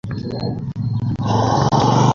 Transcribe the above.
তুই কি করে জানিস?